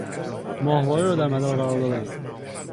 ماهواره را در مدار قرار دادن